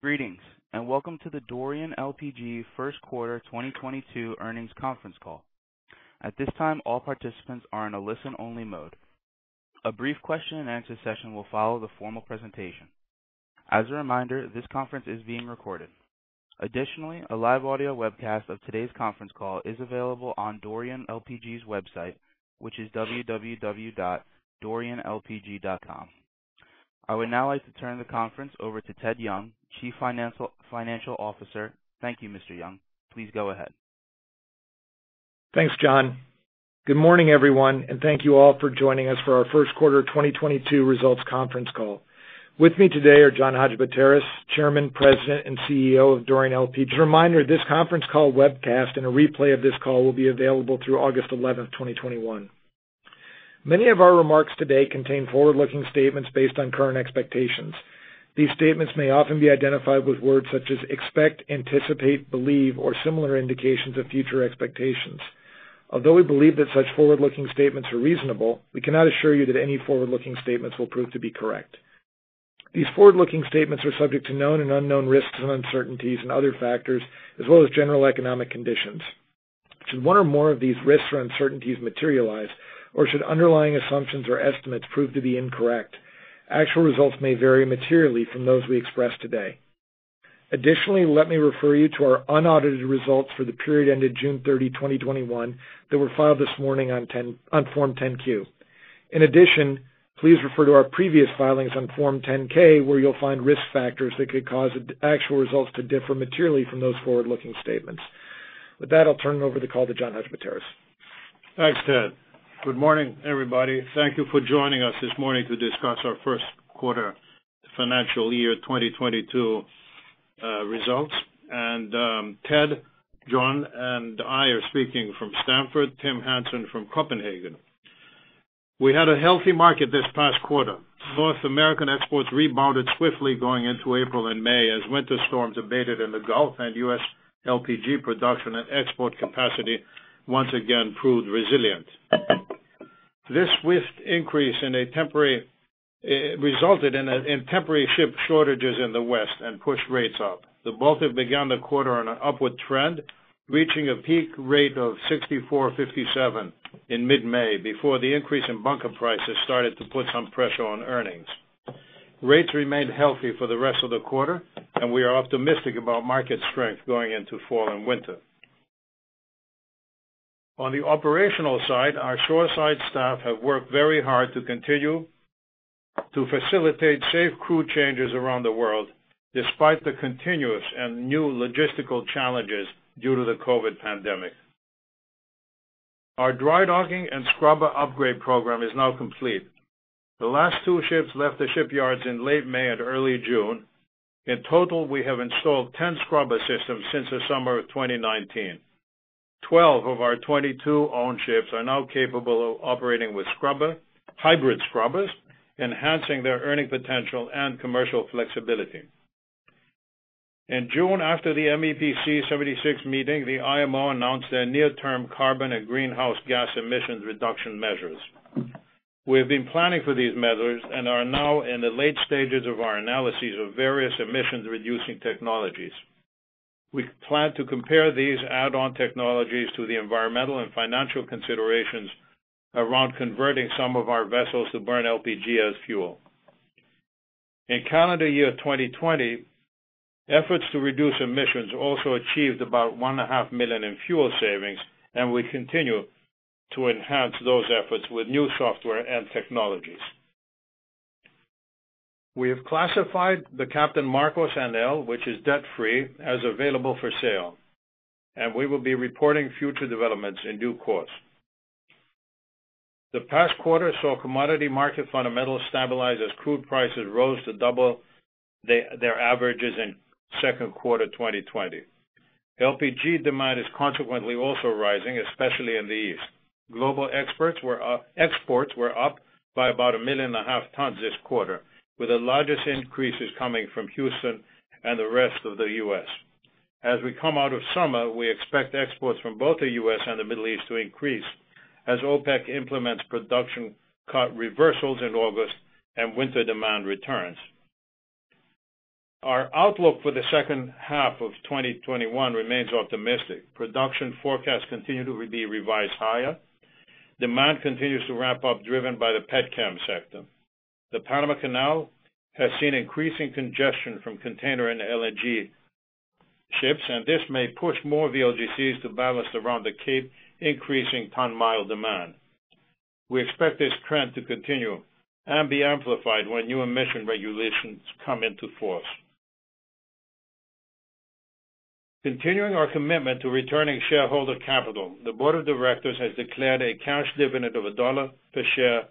Greetings, and welcome to the Dorian LPG first quarter 2022 earnings conference call. At this time, all participants are in a listen-only mode. A brief question-and-answer session will follow the formal presentation. As a reminder, this conference is being recorded. Additionally, a live audio webcast of today's conference call is available on Dorian LPG's website, which is www.dorianlpg.com. I would now like to turn the conference over to Theodore Young, Chief Financial Officer. Thank you, Mr. Young. Please go ahead. Thanks, John. Good morning, everyone, and thank you all for joining us for our first quarter 2022 results conference call. With me today are John Hadjipateras, Chairman, President, and CEO of Dorian LPG. Just a reminder, this conference call webcast and a replay of this call will be available through August 11, 2021. Many of our remarks today contain forward-looking statements based on current expectations. These statements may often be identified with words such as expect, anticipate, believe, or similar indications of future expectations. Although we believe that such forward-looking statements are reasonable, we cannot assure you that any forward-looking statements will prove to be correct. These forward-looking statements are subject to known and unknown risks and uncertainties and other factors, as well as general economic conditions. Should one or more of these risks or uncertainties materialize, or should underlying assumptions or estimates prove to be incorrect, actual results may vary materially from those we express today. Additionally, let me refer you to our unaudited results for the period ended June 30, 2021, that were filed this morning on Form 10-Q. In addition, please refer to our previous filings on Form 10-K, where you'll find risk factors that could cause actual results to differ materially from those forward-looking statements. With that, I'll turn over the call to John Hadjipateras. Thanks, Ted. Good morning, everybody. Thank you for joining us this morning to discuss our 1st quarter financial year 2022 results. Ted, John, and I are speaking from Stamford, Tim Hansen from Copenhagen. We had a healthy market this past quarter. North American exports rebounded swiftly going into April and May as winter storms abated in the Gulf and U.S. LPG production and export capacity once again proved resilient. This swift increase resulted in temporary ship shortages in the West and pushed rates up. The Baltic began the quarter on an upward trend, reaching a peak rate of 6,457 in mid-May before the increase in bunker prices started to put some pressure on earnings. Rates remained healthy for the rest of the quarter, we are optimistic about market strength going into fall and winter. On the operational side, our shoreside staff have worked very hard to continue to facilitate safe crew changes around the world, despite the continuous and new logistical challenges due to the COVID pandemic. Our dry docking and scrubber upgrade program is now complete. The last two ships left the shipyards in late May and early June. In total, we have installed 10 scrubber systems since the summer of 2019. 12 of our 22 owned ships are now capable of operating with hybrid scrubbers, enhancing their earning potential and commercial flexibility. In June, after the MEPC 76 meeting, the IMO announced their near-term carbon and greenhouse gas emissions reduction measures. We have been planning for these measures and are now in the late stages of our analyses of various emissions-reducing technologies. We plan to compare these add-on technologies to the environmental and financial considerations around converting some of our vessels to burn LPG as fuel. In calendar year 2020, efforts to reduce emissions also achieved about one and a half million in fuel savings, and we continue to enhance those efforts with new software and technologies. We have classified the Captain Markos NL, which is debt-free, as available for sale, and we will be reporting future developments in due course. The past quarter saw commodity market fundamentals stabilize as crude prices rose to double their averages in second quarter 2020. LPG demand is consequently also rising, especially in the East. Global exports were up by about a million and a half tons this quarter, with the largest increases coming from Houston and the rest of the U.S. As we come out of summer, we expect exports from both the U.S. and the Middle East to increase as OPEC implements production cut reversals in August and winter demand returns. Our outlook for the second half of 2021 remains optimistic. Production forecasts continue to be revised higher. Demand continues to ramp up, driven by the petchem sector. The Panama Canal has seen increasing congestion from container and LNG ships, and this may push more VLGCs to ballast around the Cape, increasing ton mile demand. We expect this trend to continue and be amplified when new emission regulations come into force. Continuing our commitment to returning shareholder capital, the board of directors has declared a cash dividend of $1 per share of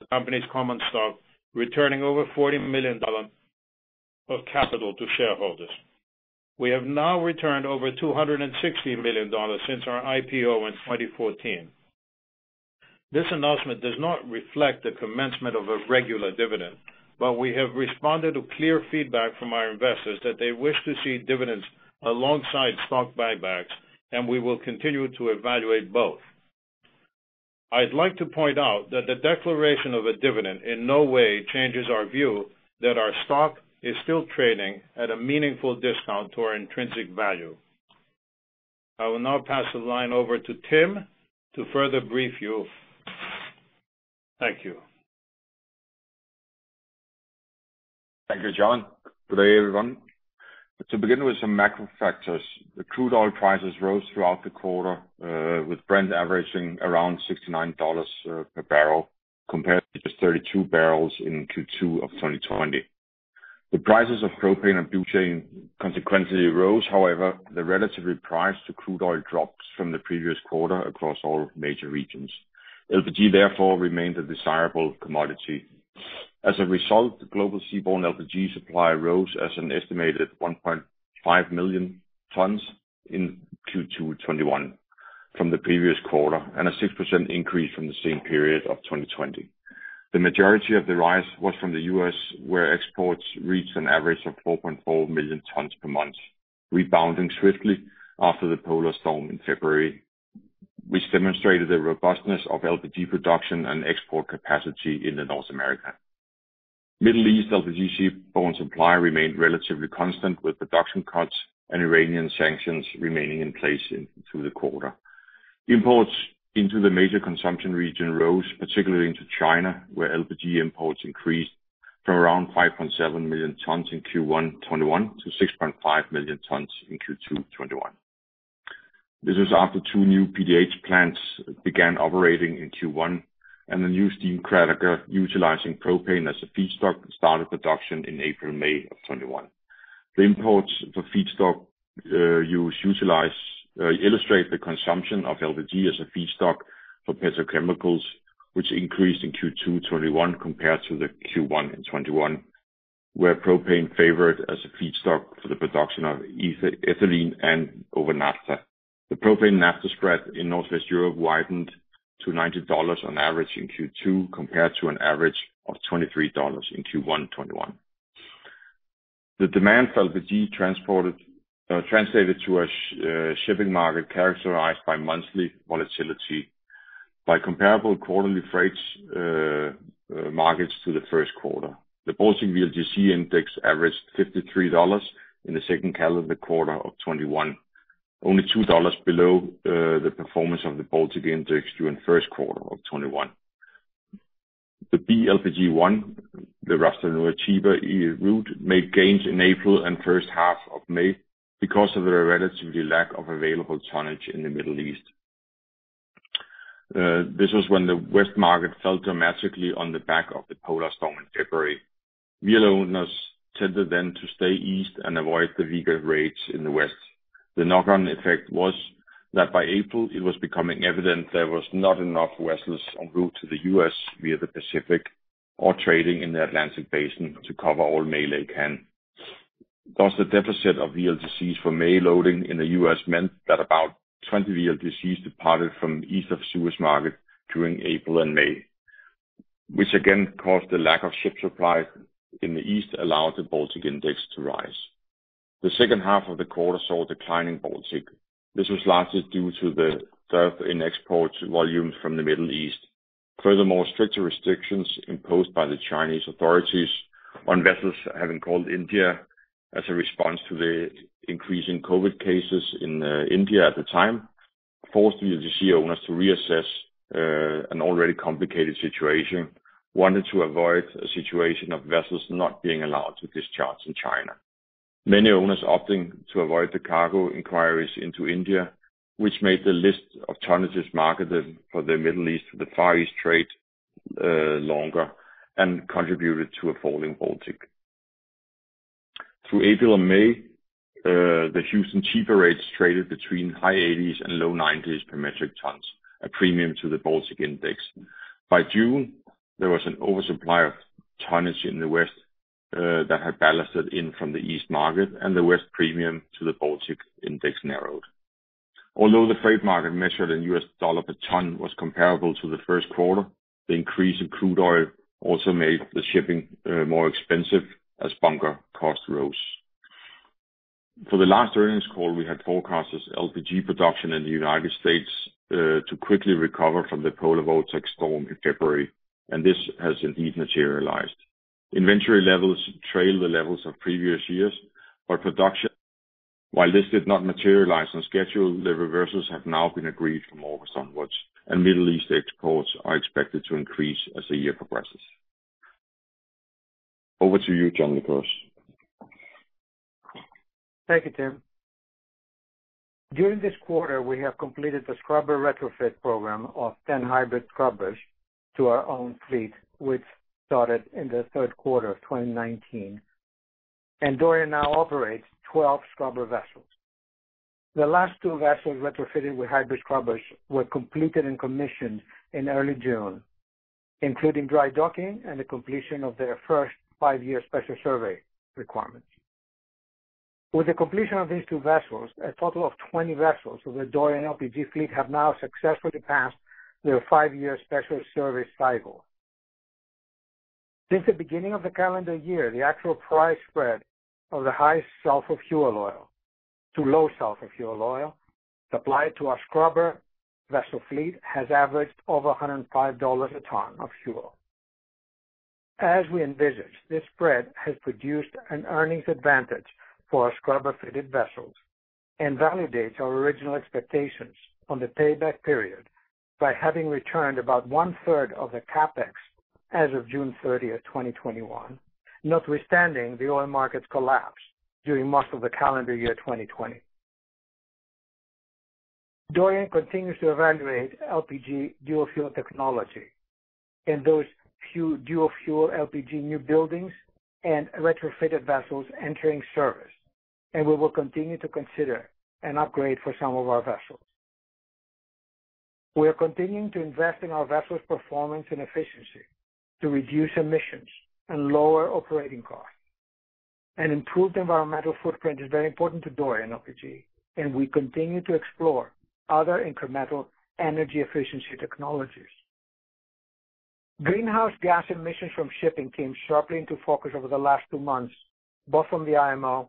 the company's common stock, returning over $40 million of capital to shareholders. We have now returned over $260 million since our IPO in 2014. This announcement does not reflect the commencement of a regular dividend, but we have responded to clear feedback from our investors that they wish to see dividends alongside stock buybacks, and we will continue to evaluate both. I'd like to point out that the declaration of a dividend in no way changes our view that our stock is still trading at a meaningful discount to our intrinsic value. I will now pass the line over to Tim to further brief you. Thank you. Thank you, John. Good day, everyone. To begin with some macro factors, the crude oil prices rose throughout the quarter, with Brent averaging around $69 per barrel compared to just 32 barrels in Q2 of 2020. The prices of propane and butane consequently rose, however, the relative price to crude oil dropped from the previous quarter across all major regions. LPG remained a desirable commodity. The global seaborne LPG supply rose as an estimated 1.5 million tons in Q2 2021 from the previous quarter, and a 6% increase from the same period of 2020. The majority of the rise was from the U.S., where exports reached an average of 4.4 million tons per month, rebounding swiftly after the polar storm in February, which demonstrated the robustness of LPG production and export capacity in the North America. Middle East LPG seaborne supply remained relatively constant, with production cuts and Iranian sanctions remaining in place through the quarter. Imports into the major consumption region rose, particularly into China, where LPG imports increased from around 5.7 million tons in Q1 2021 to 6.5 million tons in Q2 2021. This is after two new PDH plants began operating in Q1, and the new steam cracker utilizing propane as a feedstock started production in April and May of 2021. The imports for feedstock use illustrate the consumption of LPG as a feedstock for petrochemicals, which increased in Q2 2021 compared to the Q1 2021, where propane favored as a feedstock for the production of ethylene and over naphtha. The propane naphtha spread in Northwest Europe widened to $90 on average in Q2 compared to an average of $23 in Q1 2021. The demand for LPG translated to a shipping market characterized by monthly volatility by comparable quarterly freight markets to the first quarter. The Baltic VLGC Index averaged $53 in the second calendar quarter of 2021, only $2 below the performance of the Baltic Index during first quarter of 2021. The BLPG 1, the Ras Tanura-Chiba route, made gains in April and first half of May because of the relatively lack of available tonnage in the Middle East. This was when the west market fell dramatically on the back of the polar storm in February. VL owners tended then to stay east and avoid the weaker rates in the west. The knock-on effect was that by April it was becoming evident there was not enough vessels on route to the U.S. via the Pacific or trading in the Atlantic Basin to cover all May laycan. Thus, the deficit of VLGCs for May loading in the U.S. meant that about 20 VLGCs departed from east of Suez market during April and May, which again caused the lack of ship supply in the east allowed the Baltic Index to rise. The second half of the quarter saw a decline in Baltic. This was largely due to the drop in export volumes from the Middle East. Furthermore, stricter restrictions imposed by the Chinese authorities on vessels having called India as a response to the increasing COVID cases in India at the time forced VLGC owners to reassess an already complicated situation, wanting to avoid a situation of vessels not being allowed to discharge in China. Many owners opting to avoid the cargo inquiries into India, which made the list of tonnages marketed for the Middle East to the Far East trade longer and contributed to a falling Baltic. Through April and May, the Houston-Chiba rates traded between high 80s and low 90s per metric tons, a premium to the Baltic Index. By June, there was an oversupply of tonnage in the west that had ballasted in from the east market and the west premium to the Baltic Index narrowed. Although the freight market measured in US dollar per ton was comparable to the first quarter, the increase in crude oil also made the shipping more expensive as bunker cost rose. For the last earnings call, we had forecasted LPG production in the United States to quickly recover from the polar vortex storm in February, and this has indeed materialized. Inventory levels trailed the levels of previous years, but production, while this did not materialize on schedule, the reversals have now been agreed from August onwards, and Middle East exports are expected to increase as the year progresses. Over to you, John Lycouris. Thank you, Tim. During this quarter, we have completed the scrubber retrofit program of 10 hybrid scrubbers to our own fleet, which started in the third quarter of 2019. Dorian now operates 12 scrubber vessels. The last two vessels retrofitted with hybrid scrubbers were completed and commissioned in early June, including dry docking and the completion of their first five-year special survey requirements. With the completion of these two vessels, a total of 20 vessels of the Dorian LPG fleet have now successfully passed their five-year special survey cycle. Since the beginning of the calendar year, the actual price spread of the high sulfur fuel oil to low sulfur fuel oil supplied to our scrubber vessel fleet has averaged over $105 a ton of fuel. As we envisaged, this spread has produced an earnings advantage for our scrubber-fitted vessels and validates our original expectations on the payback period by having returned about one-third of the CapEx as of June 30th, 2021, notwithstanding the oil market's collapse during most of the calendar year 2020. Dorian continues to evaluate LPG dual fuel technology in those dual fuel LPG new buildings and retrofitted vessels entering service, and we will continue to consider an upgrade for some of our vessels. We are continuing to invest in our vessels' performance and efficiency to reduce emissions and lower operating costs. An improved environmental footprint is very important to Dorian LPG, and we continue to explore other incremental energy efficiency technologies. Greenhouse gas emissions from shipping came sharply into focus over the last two months, both from the IMO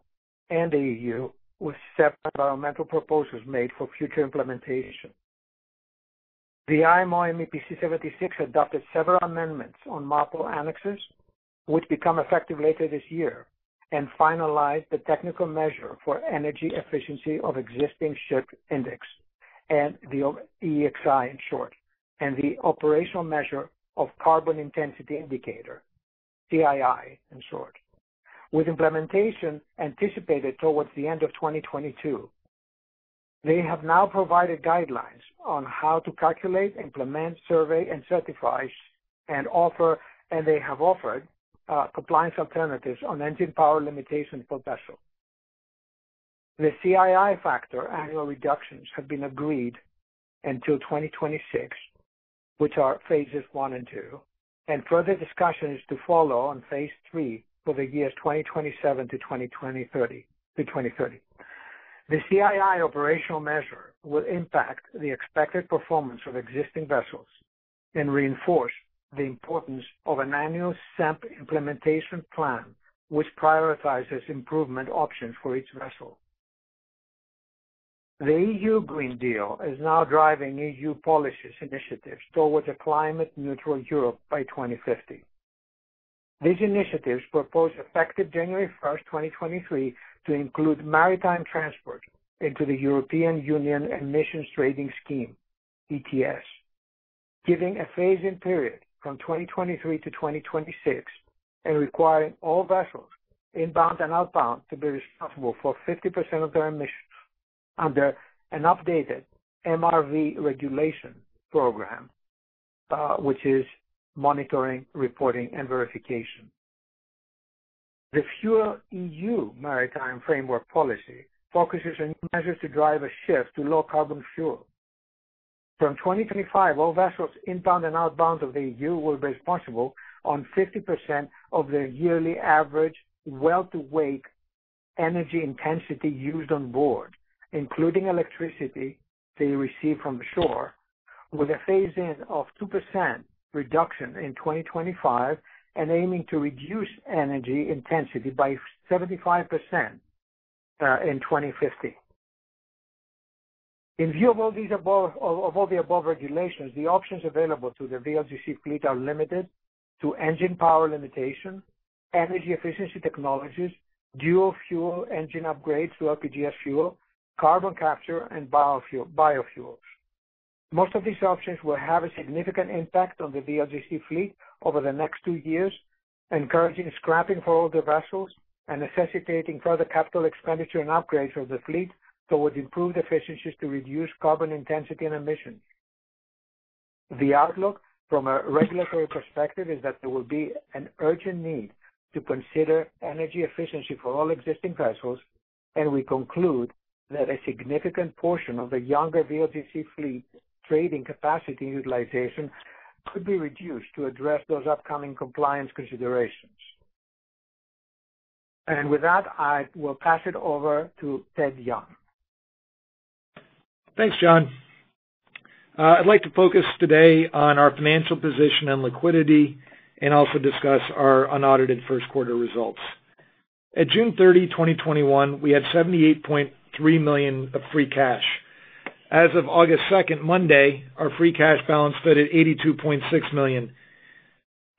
and the EU, with separate environmental proposals made for future implementation. The IMO MEPC 76 adopted several amendments on MARPOL Annexes, which become effective later this year, and finalized the technical measure for energy efficiency of existing ship index, the EEXI in short, and the operational measure of carbon intensity indicator, CII in short, with implementation anticipated towards the end of 2022. They have now provided guidelines on how to calculate, implement, survey, and certify, and they have offered compliance alternatives on engine power limitations per vessel. The CII factor annual reductions have been agreed until 2026, which are phases one and two, and further discussion is to follow on phase three for the years 2027 to 2030. The CII operational measure will impact the expected performance of existing vessels and reinforce the importance of an annual SEEMP implementation plan which prioritizes improvement options for each vessel. The European Green Deal is now driving EU policies initiatives towards a climate-neutral Europe by 2050. These initiatives propose effective January 1st, 2023, to include maritime transport into the European Union Emissions Trading System, ETS, giving a phase-in period from 2023 to 2026, and requiring all vessels inbound and outbound to be responsible for 50% of their emissions under an updated MRV regulation program, which is monitoring, reporting, and verification. The FuelEU Maritime Framework policy focuses on measures to drive a shift to low-carbon fuel. From 2025, all vessels inbound and outbound of the EU will be responsible on 50% of their yearly average well-to-wake energy intensity used on board, including electricity they receive from shore, with a phase-in of 2% reduction in 2025 and aiming to reduce energy intensity by 75% in 2050. In view of all the above regulations, the options available to the VLGC fleet are limited to engine power limitation, energy efficiency technologies, dual-fuel engine upgrades to LPG fuel, carbon capture, and biofuels. Most of these options will have a significant impact on the VLGC fleet over the next two years, encouraging scrapping for older vessels and necessitating further capital expenditure and upgrades of the fleet towards improved efficiencies to reduce carbon intensity and emissions. The outlook from a regulatory perspective is that there will be an urgent need to consider energy efficiency for all existing vessels. We conclude that a significant portion of the younger VLGC fleet trading capacity utilization could be reduced to address those upcoming compliance considerations. With that, I will pass it over to Ted Young. Thanks, John. I'd like to focus today on our financial position and liquidity and also discuss our unaudited first quarter results. At June 30, 2021, we had $78.3 million of free cash. As of August 2nd, Monday, our free cash balance stood at $82.6 million.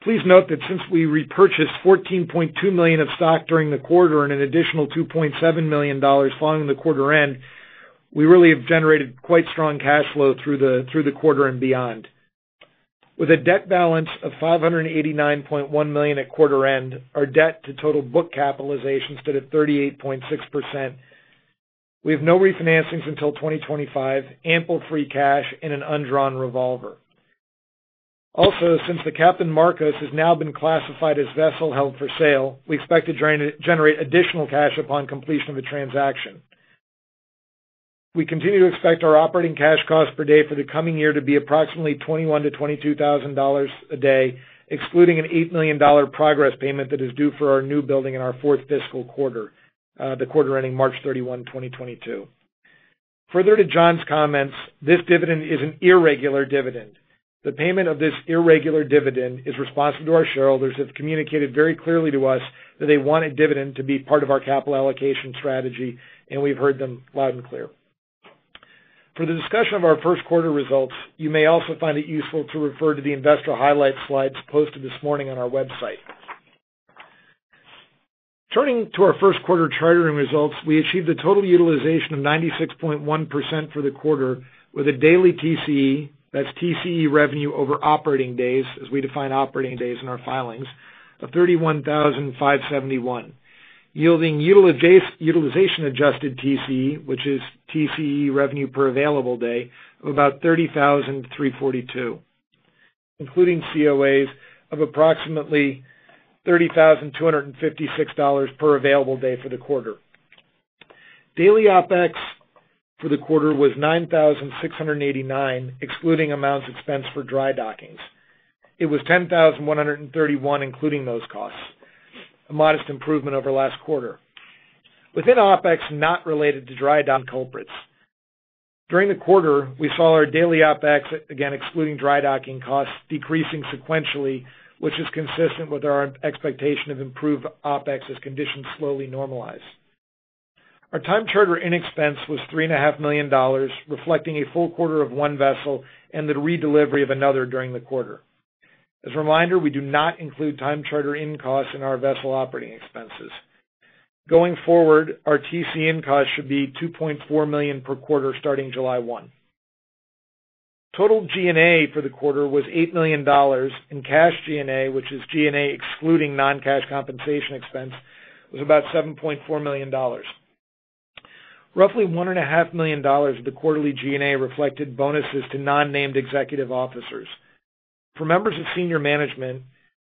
Please note that since we repurchased $14.2 million of stock during the quarter and an additional $2.7 million following the quarter end, we really have generated quite strong cash flow through the quarter and beyond. With a debt balance of $589.1 million at quarter end, our debt to total book capitalization stood at 38.6%. We have no refinancings until 2025, ample free cash, and an undrawn revolver. Also, since the Captain Markos NL has now been classified as vessel held-for-sale, we expect to generate additional cash upon completion of the transaction. We continue to expect our operating cash costs per day for the coming year to be approximately $21,000-$22,000 a day, excluding an $8 million progress payment that is due for our new building in our fourth fiscal quarter, the quarter ending March 31, 2022. Further to John's comments, this dividend is an irregular dividend. The payment of this irregular dividend is responsive to our shareholders who have communicated very clearly to us that they want a dividend to be part of our capital allocation strategy, and we've heard them loud and clear. For the discussion of our first quarter results, you may also find it useful to refer to the investor highlight slides posted this morning on our website. Turning to our first quarter chartering results, we achieved a total utilization of 96.1% for the quarter with a daily TCE, that's TCE revenue over operating days as we define operating days in our filings, of $31,571, yielding utilization-adjusted TCE, which is TCE revenue per available day, of about $30,342, including COAs of approximately $30,256 per available day for the quarter. Daily OpEx for the quarter was $9,689, excluding amounts expensed for dry dockings. It was $10,131 including those costs, a modest improvement over last quarter. Within OpEx, not related to dry dock culprits. During the quarter, we saw our daily OpEx, again, excluding dry docking costs, decreasing sequentially, which is consistent with our expectation of improved OpEx as conditions slowly normalize. Our time charter in expense was $3.5 million, reflecting a full quarter of one vessel and the redelivery of another during the quarter. As a reminder, we do not include time charter in-costs in our vessel operating expenses. Going forward, our TC in-cost should be $2.4 million per quarter starting July 1. Total G&A for the quarter was $8 million, and cash G&A, which is G&A excluding non-cash compensation expense, was about $7.4 million. Roughly $1.5 million of the quarterly G&A reflected bonuses to non-named executive officers. For members of senior management,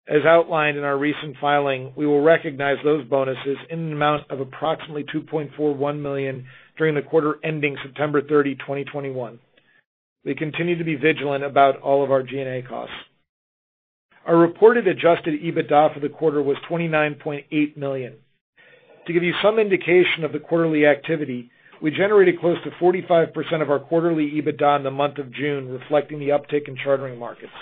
as outlined in our recent filing, we will recognize those bonuses in an amount of approximately $2.41 million during the quarter ending September 30, 2021. We continue to be vigilant about all of our G&A costs. Our reported adjusted EBITDA for the quarter was $29.8 million. To give you some indication of the quarterly activity, we generated close to 45% of our quarterly EBITDA in the month of June, reflecting the uptick in chartering markets.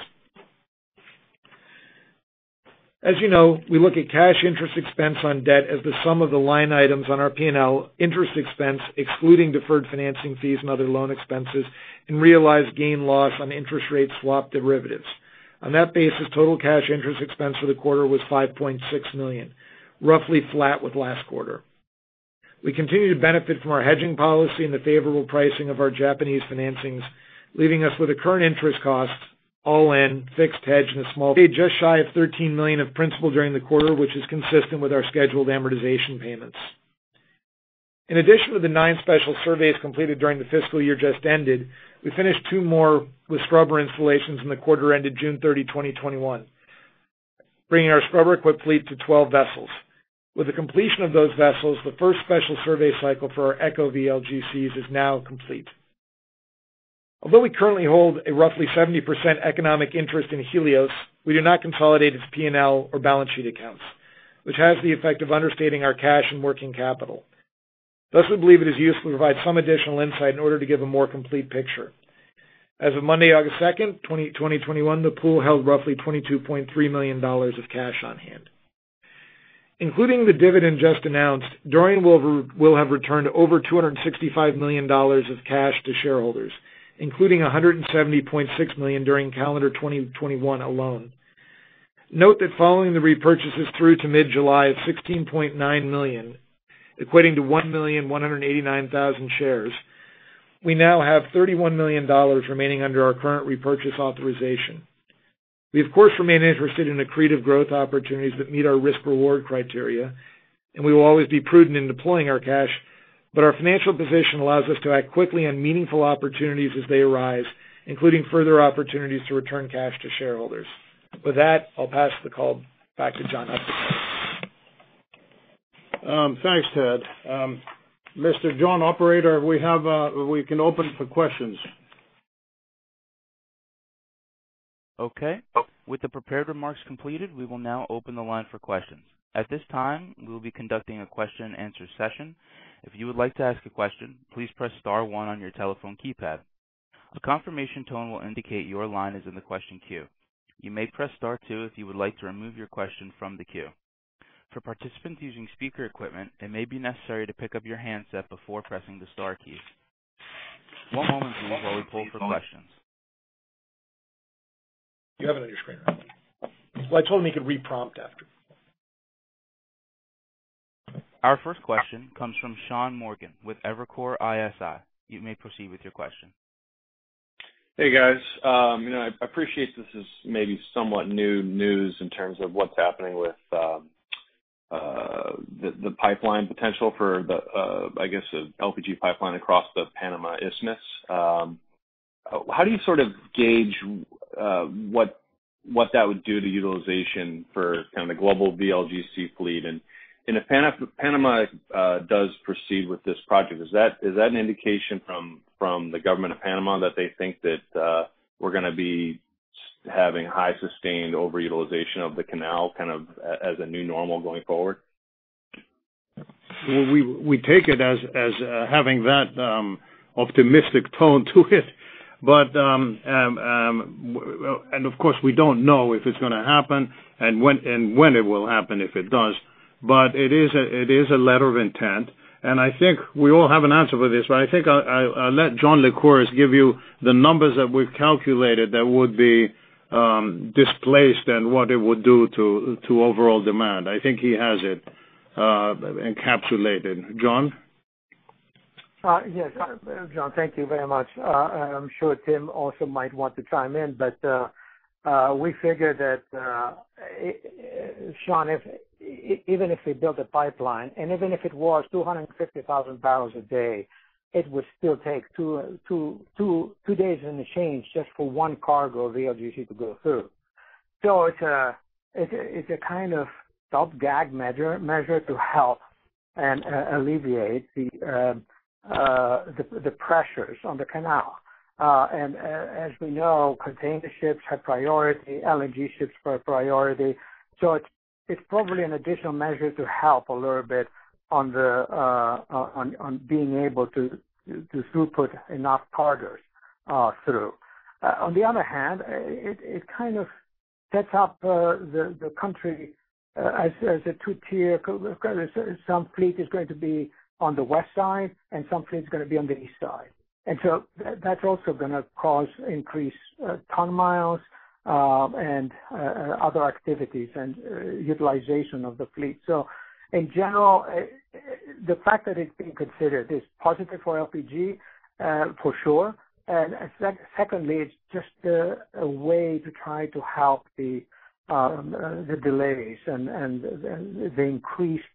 As you know, we look at cash interest expense on debt as the sum of the line items on our P&L interest expense, excluding deferred financing fees and other loan expenses, and realized gain loss on interest rate swap derivatives. On that basis, total cash interest expense for the quarter was $5.6 million, roughly flat with last quarter. We continue to benefit from our hedging policy and the favorable pricing of our Japanese financings, leaving us with a current interest cost all in, fixed hedge, and we paid just shy of $13 million of principal during the quarter, which is consistent with our scheduled amortization payments. In addition to the nine special surveys completed during the fiscal year just ended, we finished two more with scrubber installations in the quarter ended June 30, 2021, bringing our scrubber-equipped fleet to 12 vessels. With the completion of those vessels, the first special survey cycle for our ECO VLGCs is now complete. Although we currently hold a roughly 70% economic interest in Helios, we do not consolidate its P&L or balance sheet accounts, which has the effect of understating our cash and working capital. Thus, we believe it is useful to provide some additional insight in order to give a more complete picture. As of Monday, August 2, 2021, the pool held roughly $22.3 million of cash on hand. Including the dividend just announced, Dorian will have returned over $265 million of cash to shareholders, including $170.6 million during calendar 2021 alone. Note that following the repurchases through to mid-July of $16.9 million, equating to 1,189,000 shares, we now have $31 million remaining under our current repurchase authorization. We, of course, remain interested in accretive growth opportunities that meet our risk-reward criteria, and we will always be prudent in deploying our cash, but our financial position allows us to act quickly on meaningful opportunities as they arise, including further opportunities to return cash to shareholders. With that, I'll pass the call back to John Hadjipateras. Thanks, Ted. Mr. John, operator, we can open for questions. Okay. With the prepared remarks completed, we will now open the line for questions. At this time, we will be conducting a question and answer session. If you would like to ask a question, please press star one on your telephone keypad. A confirmation tone will indicate your line is in the question queue. You may press star two if you would like to remove your question from the queue. For participants using speaker equipment, it may be necessary to pick up your handset before pressing the star keys. One moment please while we pull for questions. You have it on your screen already. Well, I told him he could re-prompt after. Our first question comes from Sean Morgan with Evercore ISI. You may proceed with your question. Hey, guys. I appreciate this is maybe somewhat new news in terms of what's happening with the pipeline potential for the, I guess, LPG pipeline across the Panama Isthmus. How do you sort of gauge what that would do to utilization for kind of the global VLGC fleet? If Panama does proceed with this project, is that an indication from the government of Panama that they think that we're going to be having high sustained overutilization of the canal as a new normal going forward? Well, we take it as having that optimistic tone to it. Of course, we don't know if it's going to happen and when it will happen if it does, but it is a letter of intent, and I think we all have an answer for this, but I think I'll let John Lycouris give you the numbers that we've calculated that would be displaced and what it would do to overall demand. I think he has it encapsulated. John? Yes. John, thank you very much. I'm sure Tim also might want to chime in. We figure that, Sean, even if we built a pipeline, even if it was 250,000 barrels a day, it would still take two days and a change just for one cargo VLGC to go through. It's a kind of stopgap measure to help and alleviate the pressures on the canal. As we know, container ships have priority, LNG ships are a priority. It's probably an additional measure to help a little bit on being able to throughput enough cargos through. On the other hand, it kind of sets up the country as a 2-tier, some fleet is going to be on the west side, some fleet is going to be on the east side. That's also going to cause increased ton miles, and other activities, and utilization of the fleet. In general, the fact that it's being considered is positive for LPG for sure, and secondly, it's just a way to try to help the delays and the increased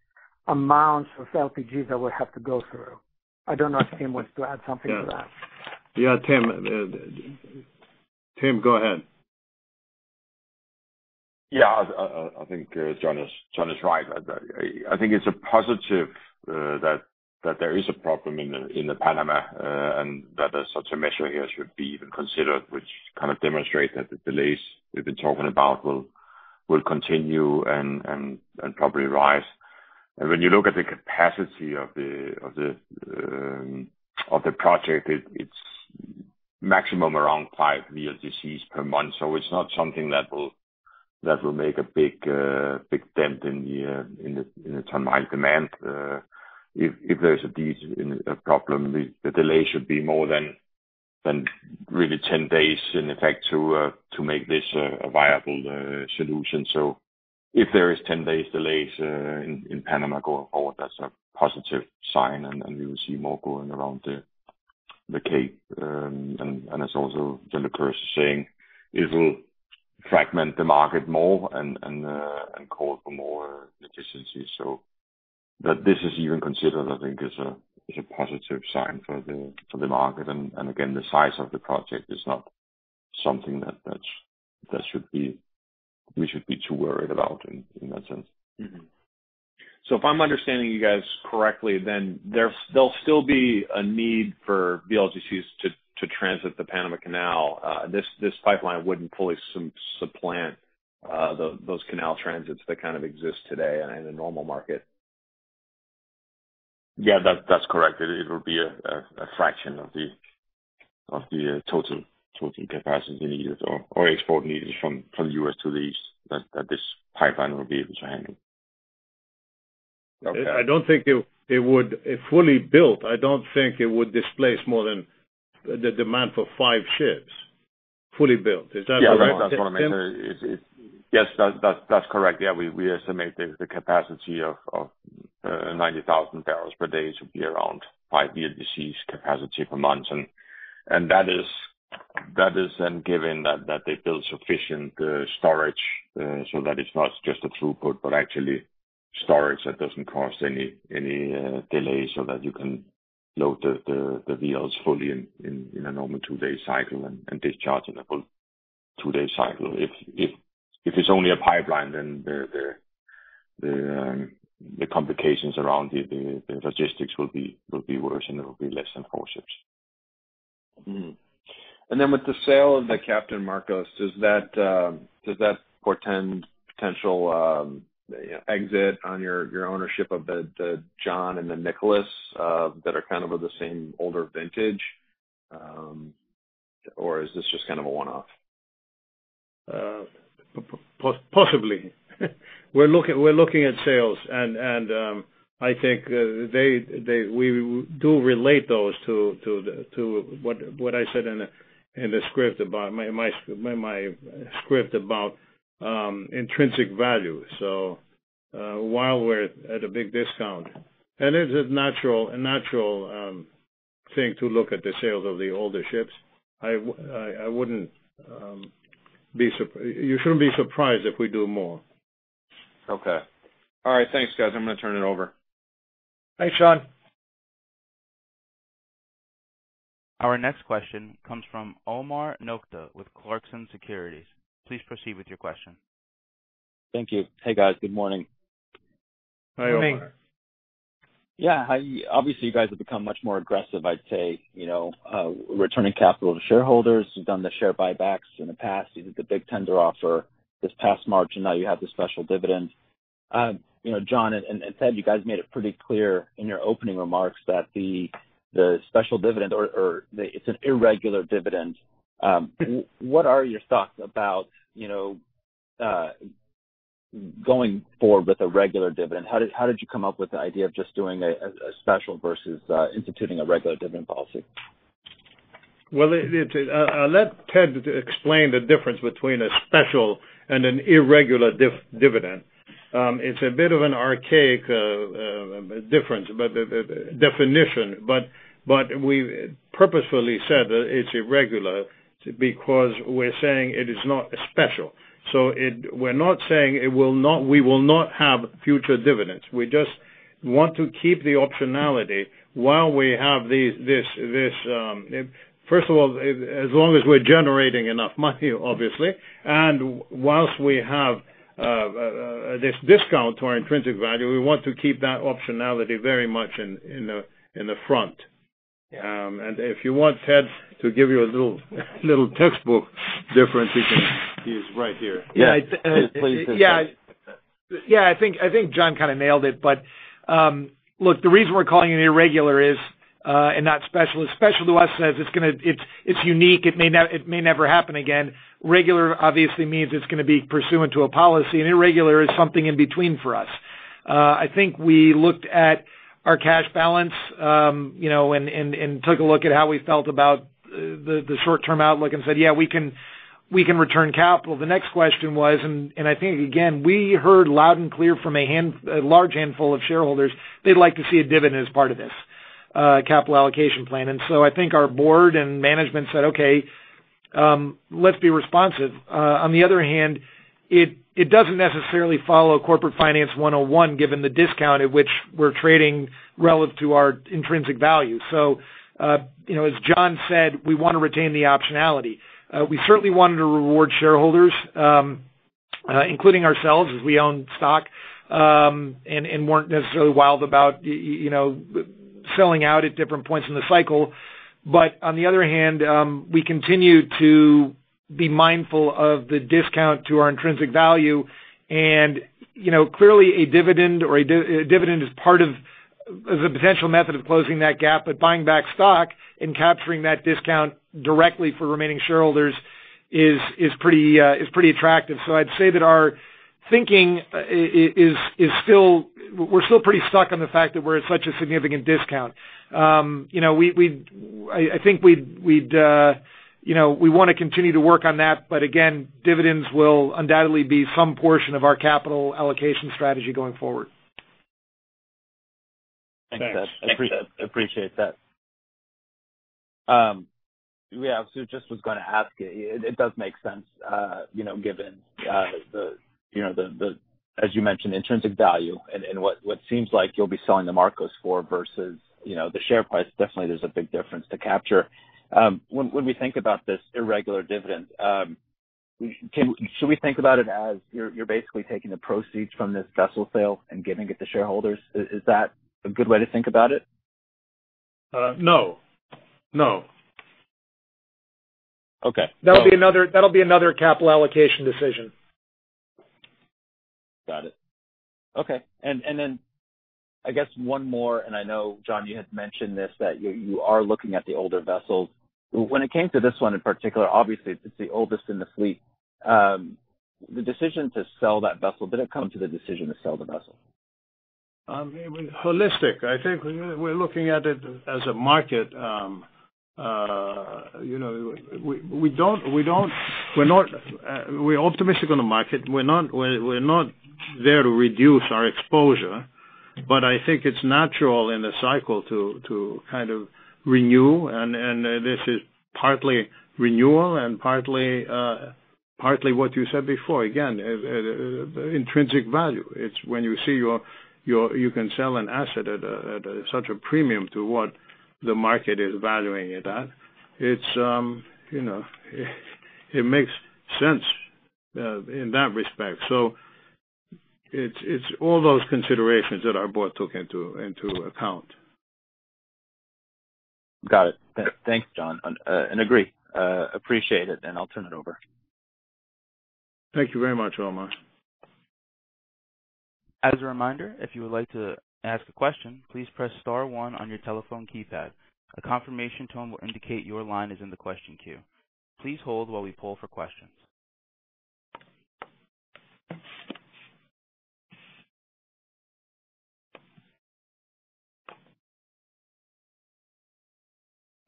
amounts of LPG that will have to go through. I don't know if Tim wants to add something to that. Yeah. Tim, go ahead. I think John is right. I think it's a positive that there is a problem in the Panama, and that such a measure here should be even considered, which kind of demonstrates that the delays we've been talking about will continue and probably rise. When you look at the capacity of the project, it's maximum around five VLGCs per month. It's not something that will make a big dent in the ton mile demand. If there's a problem, the delay should be more than really 10 days in effect to make this a viable solution. If there is 10 days delays in Panama going forward, that's a positive sign, and we will see more going around the Cape. As also John Lycouris is saying, it will fragment the market more and call for more efficiency. That this is even considered, I think, is a positive sign for the market. Again, the size of the project is not something that we should be too worried about in that sense. If I'm understanding you guys correctly, then there'll still be a need for VLGCs to transit the Panama Canal. This pipeline wouldn't fully supplant those canal transits that kind of exist today in a normal market. Yeah, that's correct. It will be a fraction of the total capacity needed or export needed from the U.S. to the east that this pipeline will be able to handle. Okay. If fully built, I don't think it would displace more than the demand for five ships. Fully built. Is that right, Tim? Yes, that's correct. We estimate the capacity of 90,000 barrels per day to be around five VLGCs capacity per month. That is then given that they build sufficient storage so that it's not just a throughput, but actually storage that doesn't cause any delays so that you can load the VLs fully in a normal two-day cycle and discharge in a full two-day cycle. If it's only a pipeline, the complications around the logistics will be worse. It will be less than ships. With the sale of the Captain Markos, does that portend potential exit on your ownership of the John and the Nicholas that are kind of the same older vintage? Is this just kind of a one-off? Possibly. We're looking at sales, and I think we do relate those to what I said in my script about intrinsic value. While we're at a big discount, and it's a natural thing to look at the sales of the older ships. You shouldn't be surprised if we do more. Okay. All right. Thanks, guys. I'm going to turn it over. Thanks, Sean. Our next question comes from Omar Nokta with Clarksons Securities. Please proceed with your question. Thank you. Hey, guys. Good morning. Hi, Omar. Obviously, you guys have become much more aggressive, I'd say, returning capital to shareholders. You've done the share buybacks in the past. You did the big tender offer this past March, and now you have the special dividend. John and Ted, you guys made it pretty clear in your opening remarks that the special dividend or it's an irregular dividend. What are your thoughts about going forward with a regular dividend? How did you come up with the idea of just doing a special versus instituting a regular dividend policy? Well, I'll let Ted explain the difference between a special and an irregular dividend. It's a bit of an archaic difference, but the definition. We purposefully said that it's irregular because we're saying it is not special. We're not saying we will not have future dividends. We just want to keep the optionality while we have this First of all, as long as we're generating enough money, obviously. Whilst we have this discount to our intrinsic value, we want to keep that optionality very much in the front. If you want Ted to give you a little textbook difference, he's right here. Yes, please. Yeah. I think John kind of nailed it, but look, the reason we're calling it irregular is, and not special, is special to us says it's unique, it may never happen again. Regular obviously means it's going to be pursuant to a policy, and irregular is something in between for us. I think we looked at our cash balance and took a look at how we felt about the short-term outlook and said, "Yeah, we can return capital." The next question was, and I think, again, we heard loud and clear from a large handful of shareholders, they'd like to see a dividend as part of this capital allocation plan. I think our board and management said, "Okay. Let's be responsive." On the other hand, it doesn't necessarily follow corporate finance 101 given the discount at which we're trading relative to our intrinsic value. As John said, we want to retain the optionality. We certainly wanted to reward shareholders, including ourselves, as we own stock, and weren't necessarily wild about selling out at different points in the cycle. On the other hand, we continue to be mindful of the discount to our intrinsic value. Clearly, a dividend is a potential method of closing that gap, but buying back stock and capturing that discount directly for remaining shareholders is pretty attractive. I'd say that our thinking is we're still pretty stuck on the fact that we're at such a significant discount. I think we want to continue to work on that, but again, dividends will undoubtedly be some portion of our capital allocation strategy going forward. Thanks. Thanks, Ted. Appreciate that. Yeah. Just was going to ask, it does make sense given as you mentioned, intrinsic value and what seems like you'll be selling the Markos for versus the share price. Definitely, there's a big difference to capture. When we think about this irregular dividend, should we think about it as you're basically taking the proceeds from this vessel sale and giving it to shareholders? Is that a good way to think about it? No. No. Okay. That'll be another capital allocation decision. Got it. Okay. I guess one more, I know, John, you had mentioned this, that you are looking at the older vessels. When it came to this one in particular, obviously, it's the oldest in the fleet. The decision to sell that vessel, did it come to the decision to sell the vessel? Holistic. I think we're looking at it as a market. We're optimistic on the market. We're not there to reduce our exposure. I think it's natural in the cycle to kind of renew, and this is partly renewal and partly what you said before. Again, intrinsic value. It's when you see you can sell an asset at such a premium to what the market is valuing it at. It makes sense in that respect. It's all those considerations that our board took into account. Got it. Thanks, John. Agree. Appreciate it. I'll turn it over. Thank you very much, Omar. As a reminder, if you would like to ask a question, please press star one on your telephone keypad. A confirmation tone will indicate your line is in the question queue. Please hold while we poll for questions.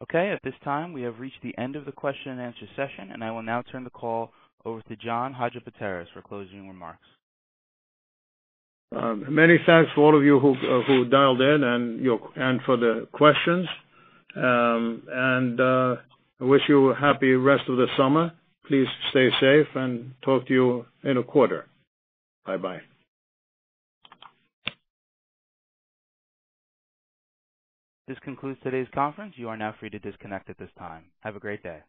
Okay. At this time, we have reached the end of the question and answer session, I will now turn the call over to John Hadjipateras for closing remarks. Many thanks to all of you who dialed in and for the questions. I wish you a happy rest of the summer. Please stay safe and talk to you in a quarter. Bye-bye. This concludes today's conference. You are now free to disconnect at this time. Have a great day.